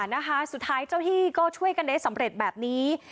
นะคะสุดท้ายเจ้าที่ก็ช่วยกันได้สำเร็จแบบนี้